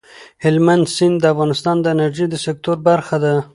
هلمند سیند د افغانستان د انرژۍ د سکتور برخه ده.